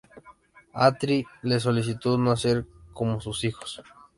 Atri les solicitó nacer como sus hijos.